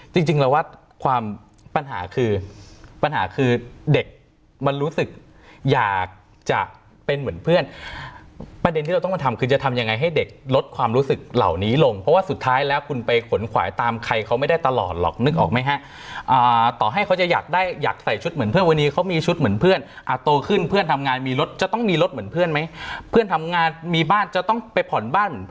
จริงแล้วว่าความปัญหาคือปัญหาคือเด็กมันรู้สึกอยากจะเป็นเหมือนเพื่อนประเด็นที่เราต้องมาทำคือจะทำยังไงให้เด็กลดความรู้สึกเหล่านี้ลงเพราะว่าสุดท้ายแล้วคุณไปขนขวายตามใครเขาไม่ได้ตลอดหรอกนึกออกไหมฮะต่อให้เขาจะอยากได้อยากใส่ชุดเหมือนเพื่อนวันนี้เขามีชุดเหมือนเพื่อนอ่ะโตขึ้นเพื่อนทำงานมีรถจะต้องมีรถเหมือนเพื่อนไหมเพื่อนทำงานมีบ้านจะต้องไปผ่อนบ้าน